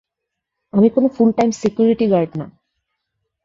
আমি কোনো full time security guard না।